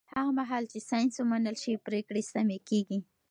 هغه مهال چې ساینس ومنل شي، پرېکړې سمې کېږي.